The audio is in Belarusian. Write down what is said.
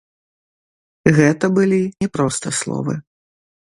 Гэта былі не проста словы.